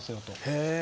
へえ。